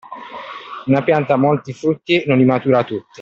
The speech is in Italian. Una pianta che ha molti frutti non li matura tutti.